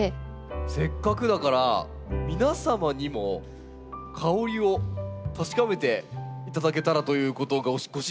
せっかくだから皆様にも香りを確かめていただけたらということをご指示いただきまして。